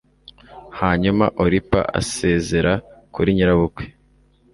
hanyuma oripa asezera kuri nyirabukwe